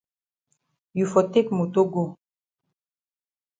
You for take moto go.